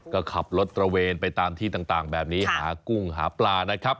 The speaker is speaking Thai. ก็ขับรถตระเวนไปตามที่ต่างแบบนี้หากุ้งหาปลานะครับ